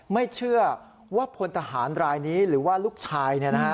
ไม่เชื่อว่าพลทหารรายนี้หรือว่าลูกชาย